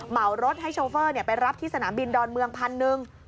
เหมารถให้โชเฟอร์ไปรับที่สนามบินดอนเมืองพันหนึ่ง